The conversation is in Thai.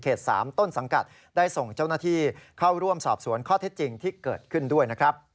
๓ต้นสังกัดได้ส่งเจ้าหน้าที่เข้าร่วมสอบสวนข้อเท็จจริงที่เกิดขึ้นด้วยนะครับ